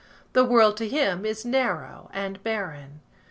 The world to him is narrow and barren.